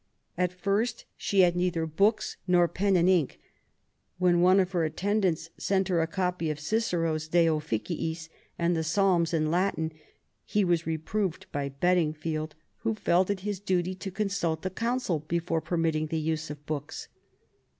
At first, she had neither books, nor pen and ink. When one of her attendants sent her a copy of Cicero's De Officiis and the Psalms in Latin, he was reproved by Bedingfield, who felt it his duty to con sult the Council before permitting the use of books.